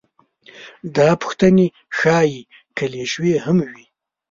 دا پوښتنې ښايي کلیشوي هم وي.